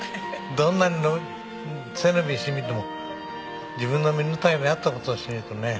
どんなに背伸びしてみても自分の身の丈に合った事をしないとね。